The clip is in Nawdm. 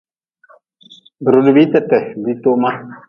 Bi rudbii tete diitoma.